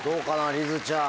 りづちゃん。